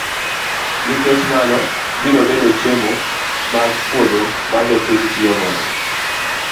Nikech mano biro bedo chiemo mag puodho ma jopiny tiyo godo.